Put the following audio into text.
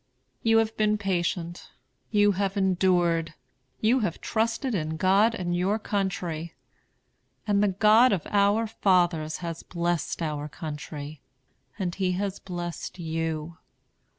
[Cheers.] "You have been patient, you have endured, you have trusted in God and your country; and the God of our fathers has blessed our country, and He has blessed you.